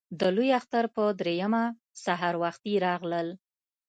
د لوی اختر په درېیمه سهار وختي راغلل.